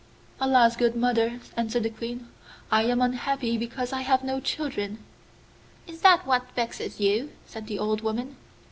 'Alas, good mother,' answered the Queen, 'I am unhappy because I have no children.' 'Is that what vexes you?' said the old woman.